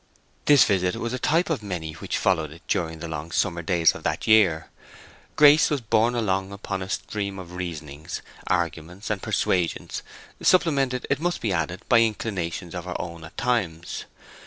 This visit was a type of many which followed it during the long summer days of that year. Grace was borne along upon a stream of reasonings, arguments, and persuasions, supplemented, it must be added, by inclinations of her own at times.